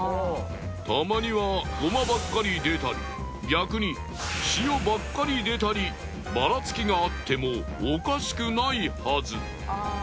たまにはゴマばっかり出たり逆に塩ばっかり出たりばらつきがあってもおかしくないはず。